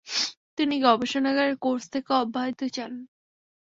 তিনি গবেষণাগারের কোর্স থেকে অব্যাহতি চান।